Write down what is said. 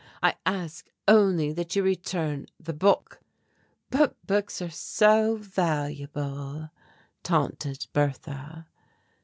I ask only that you return the book." "But books are so valuable," taunted Bertha.